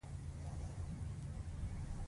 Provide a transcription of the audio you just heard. تهجد په نوافلو کې تر ټولو غوره لمونځ دی .